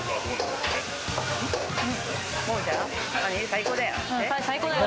「最高だよ」